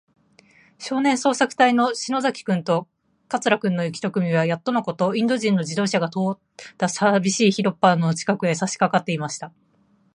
少年捜索隊そうさくたいの篠崎君と桂君の一組は、やっとのこと、インド人の自動車が通ったさびしい広っぱの近くへ、さしかかっていました。